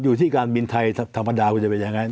อยู่ที่การบินไทยธรรมดาว่าจะเป็นยังไง